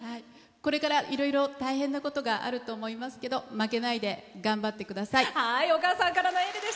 これから、いろいろ大変なことがあると思いますけど負けないで頑張ってください。